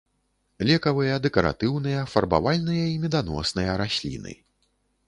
Лекавыя, дэкаратыўныя, фарбавальныя і меданосныя расліны.